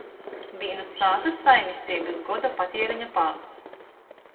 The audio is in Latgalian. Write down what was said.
Vīnys sātys saimisteibys goda patiereņa pāds.